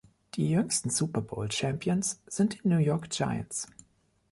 Die jüngsten Super-Bowl-Champions sind die New York Giants.